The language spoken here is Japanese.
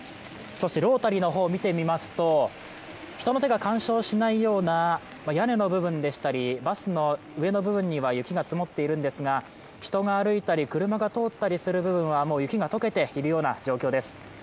ロータリーの方を見てみますと人の手が干渉しないような屋根の部分でしたり、バスの上の部分には雪が積もっているんですが、人が歩いたり車が通ったりしている部分は雪が解けている状況です。